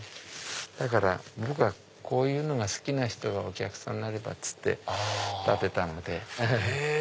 だからこういうのが好きな人がお客さんになればっつって建てたので。